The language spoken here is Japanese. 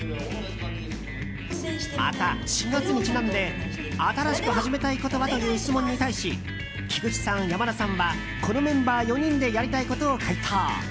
また、４月にちなんで新しく始めたいことは？という質問に対し菊池さん、山田さんはこのメンバー４人でやりたいことを回答。